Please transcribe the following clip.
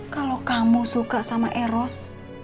kalau kamu suka sama eros